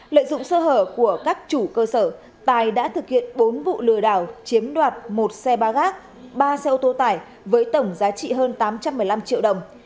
lợi dụng sơ hở của các chủ cơ sở tài đã thực hiện bốn vụ lừa đảo chiếm đoạt một xe ba gác ba xe ô tô tải với tổng giá trị hơn tám trăm một mươi năm triệu đồng